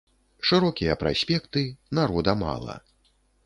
Шырокія праспекты, народа мала.